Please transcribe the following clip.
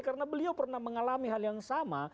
karena beliau pernah mengalami hal yang sama